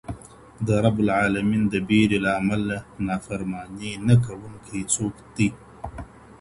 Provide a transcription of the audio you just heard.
د رب العالمين د بيري له امله نافرماني نه کوونکي څوک دي؟